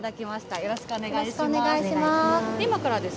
よろしくお願いします。